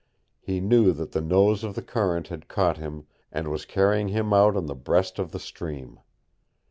He knew that the nose of the current had caught him and was carrying him out on the breast of the stream.